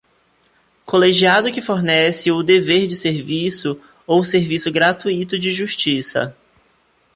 Colegiado que fornece o dever de serviço ou serviço gratuito de justiça.